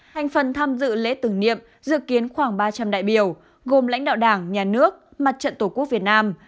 hành phần tham dự lễ tưởng niệm dự kiến khoảng ba trăm linh đại biểu gồm lãnh đạo đảng nhà nước mặt trận tổ quốc việt nam